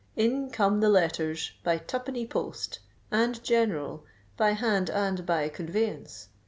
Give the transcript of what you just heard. in come the letters, by twopenny post and general—by hand and by conveyance!